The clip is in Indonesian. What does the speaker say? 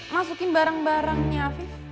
masukin barang barang nya afif